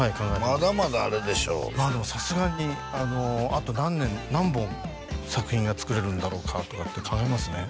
まだまだあれでしょでもさすがにあと何年何本作品が作れるんだろうかとかって考えますね